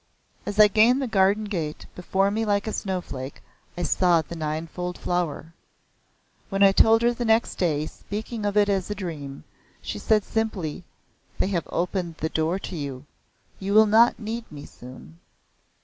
As I gained the garden gate, before me, like a snowflake, I saw the Ninefold Flower. When I told her next day, speaking of it as a dream, she said simply; "They have opened the door to you. You will not need me soon.